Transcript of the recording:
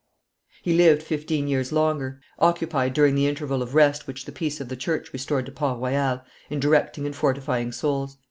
He lived fifteen years longer, occupied, during the interval of rest which the Peace of the Church restored to Port Royal, in directing and fortifying souls.